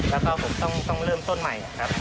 แล้วก็ผมต้องเริ่มต้นใหม่ครับ